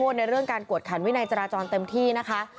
ในเรื่องการกวดขันวินัยจราจรเต็มที่นะคะ